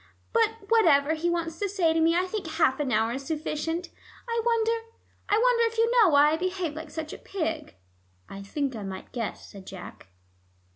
But whatever he wants to say to me, I think half an hour is sufficient. I wonder I wonder if you know why I behaved like such a pig." "I think I might guess," said Jack.